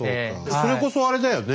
それこそあれだよね。